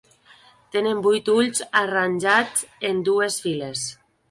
Tenen vuit ulls arranjats en dues files.